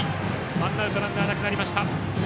ワンアウトランナーなくなりました。